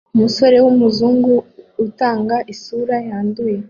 Umusore wumuzungu utanga isura yanduye